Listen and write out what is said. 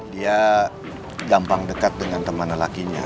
dia gampang dekat dengan teman lelakinya